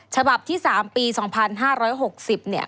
ฉบับที่๓ปี๒๕๖๐